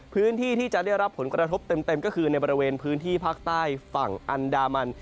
พื้นที่ที่จะได้รับผลกระทบเต็มก็คือในบริเวณพื้นที่ภาคใต้ฝั่งอันดามัน